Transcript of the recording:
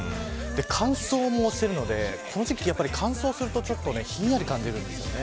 乾燥もしているのでこの時期は乾燥するとひんやり感じるんですよね。